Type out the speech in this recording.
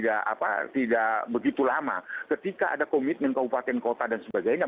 dan itu tidak begitu lama ketika ada komitmen kabupaten kota dan sebagainya